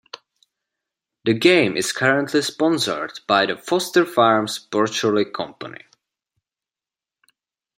The game is currently sponsored by the Foster Farms poultry company.